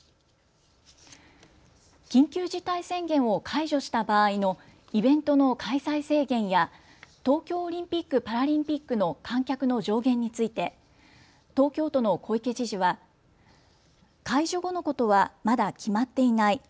緊急事態宣言を解除した場合のイベントの開催制限や東京オリンピック・パラリンピックの観客の上限について東京都の小池知事は解除後のことはまだ決まっていない。